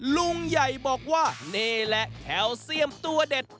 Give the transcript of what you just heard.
ลุงใหญ่บอกว่านี่แหละแคลเซียมตัวเด็ด